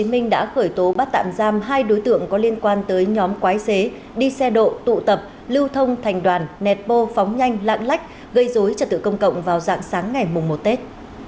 minh đã khởi tố bắt tạm giam hai đối tượng có liên quan tới nhóm quái xế đi xe độ tụ tập lưu thông thành đoàn nẹt bô phóng nhanh lạng lách gây dối trật tự công cộng vào dạng sáng ngày một tết